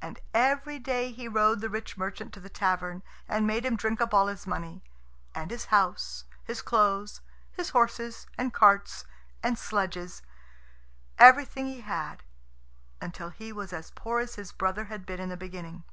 And every day he rode the rich merchant to the tavern, and made him drink up all his money, and his house, his clothes, his horses and carts and sledges everything he had until he was as poor as his brother had been in the beginning.